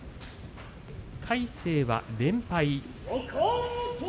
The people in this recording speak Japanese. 魁聖は連敗。